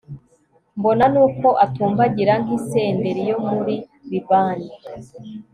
mbona n'uko atumbagira nk'isederi yo muri libani